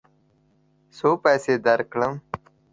څو پیسې درکړم؟